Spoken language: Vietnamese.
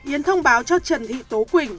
yến thông báo cho trần thị tố quỳnh